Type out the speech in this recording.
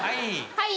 はい。